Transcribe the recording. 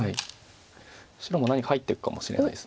白も何か入っていくかもしれないです。